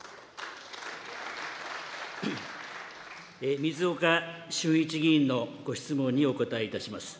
水岡俊一議員のご質問にお答えいたします。